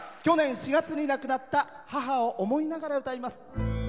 去年４月に亡くなった母を思いながら歌います。